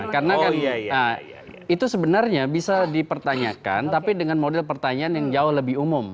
karena itu sebenarnya bisa dipertanyakan tapi dengan model pertanyaan yang jauh lebih umum